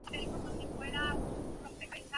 Ocasionalmente puede encontrase en acuarios.